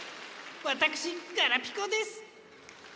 わたくしガラピコです！